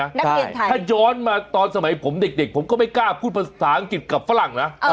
ถ้าย้อนมาตอนสมัยผมเด็กผมก็ไม่กล้าพูดภาษาอังกฤษกับฝรั่งนะ